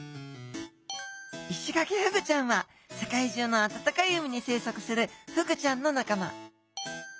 イシガキフグちゃんは世界中の暖かい海に生息するフグちゃんの仲間。